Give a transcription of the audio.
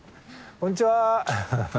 こんにちは。